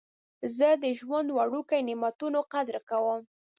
زه د ژوند وړوکي نعمتونه قدر کوم.